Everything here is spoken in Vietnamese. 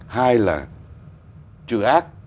hai là trừ ác